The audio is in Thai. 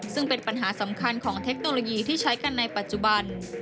ซึ่งเป็นปัญหาสำคัญของเทคโนโลยีที่ใช้กันในปัจจุบัน